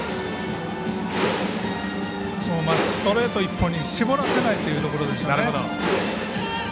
ストレート一本に絞らせないというところでしょう。